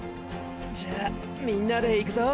じゃみんなでいくぞ。